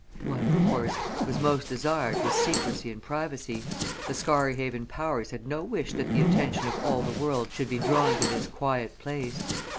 What, of course, was most desired was secrecy and privacy the Scarhaven powers had no wish that the attention of all the world should be drawn to this quiet place.